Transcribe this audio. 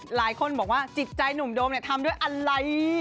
หลายคนบอกว่าจิตใจหนุ่มโดมเนี่ยทำด้วยอะไร